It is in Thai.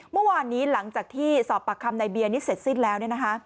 เมื่อวานนี้หลังจากที่สอบปากคำในเบียร์นี้เสร็จสิ้นแล้ว